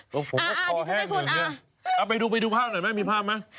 ตรงผมก็คอแห้งอย่างนี้เอาไปดูภาพหน่อยมั้ยมีภาพมั้ย